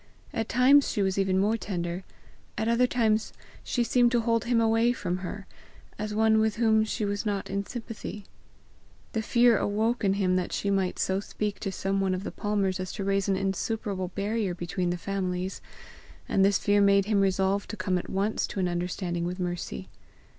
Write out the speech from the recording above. At times she was even more tender; at other times she seemed to hold him away from her, as one with whom she was not in sympathy. The fear awoke in him that she might so speak to some one of the Palmers as to raise an insuperable barrier between the families; and this fear made him resolve to come at once to an understanding with Mercy.